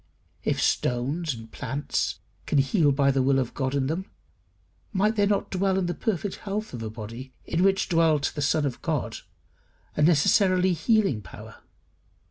If stones and plants can heal by the will of God in them, might there not dwell in the perfect health of a body, in which dwelt the Son of God, a necessarily healing power?